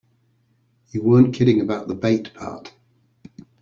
You weren't kidding about the bait part.